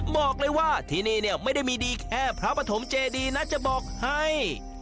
บอกเลยว่าที่นี่เนี่ยไม่ได้มีดีแค่พระปฐมเจดีนะจะบอกให้